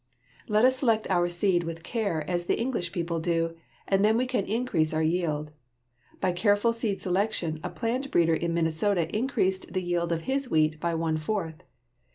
Let us select our seed with care, as the English people do, and then we can increase our yield. By careful seed selection a plant breeder in Minnesota increased the yield of his wheat by one fourth.